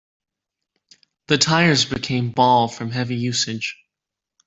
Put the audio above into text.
The tires became bald from heavy usage.